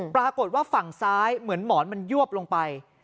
ปรากฏว่าฝั่งซ้ายเหมือนหมอนมันยวบลงไป